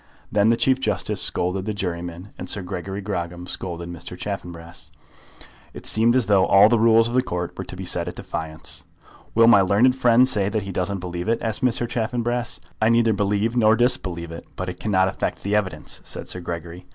Then the Chief Justice scolded the juryman, and Sir Gregory Grogram scolded Mr. Chaffanbrass. It seemed as though all the rules of the Court were to be set at defiance. "Will my learned friend say that he doesn't believe it?" asked Mr. Chaffanbrass. "I neither believe nor disbelieve it; but it cannot affect the evidence," said Sir Gregory.